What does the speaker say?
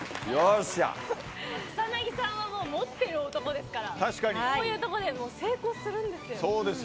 草なぎさんは持ってる男ですからこういうところで成功するんですよ。